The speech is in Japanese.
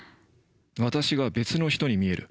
私が別の人に見える？